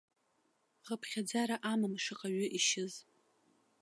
Хыԥхьаӡара амам шаҟаҩы ишьыз.